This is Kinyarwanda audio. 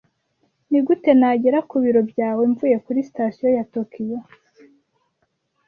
Nigute nagera ku biro byawe mvuye kuri Sitasiyo ya Tokiyo?